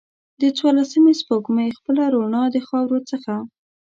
د څوارلسمې سپوږمۍ خپله روڼا د خاورو څخه